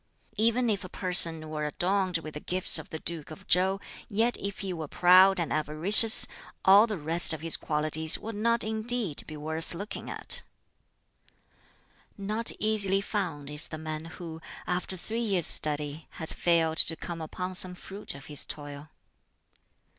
"Even if a person were adorned with the gifts of the Duke of Chow, yet if he were proud and avaricious, all the rest of his qualities would not indeed be worth looking at. "Not easily found is the man who, after three years' study, has failed to come upon some fruit of his toil.